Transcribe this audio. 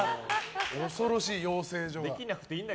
恐ろしい養成所が。